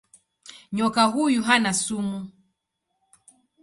Nyoka huyu hana sumu.